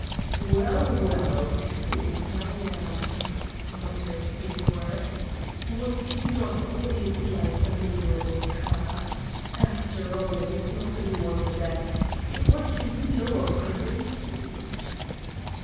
"Well, well! Fool that I am!" muttered Feodor. "Was he not all his life a miserable cur? After all, it is not to be wondered at. But what can he know of Krazinski?"